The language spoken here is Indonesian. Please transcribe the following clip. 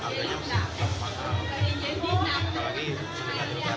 harganya masih kebanyakan